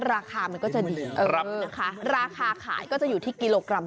ราคามันก็จะดีนะคะราคาขายก็จะอยู่ที่กิโลกรัม